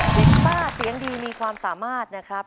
เห็นป้าเสียงดีมีความสามารถนะครับ